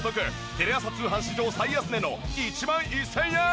テレ朝通販史上最安値の１万１０００円。